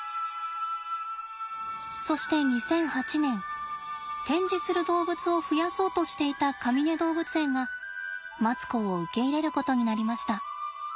そして２００８年展示する動物を増やそうとしていたかみね動物園がマツコを受け入れることになりました。